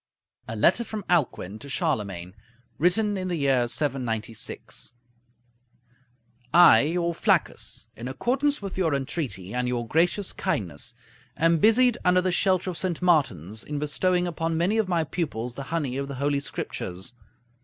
A LETTER FROM ALCUIN TO CHARLEMAGNE (Written in the year 796) I, your Flaccus, in accordance with your entreaty and your gracious kindness, am busied under the shelter of St. Martin's, in bestowing upon many of my pupils the honey of the Holy Scriptures.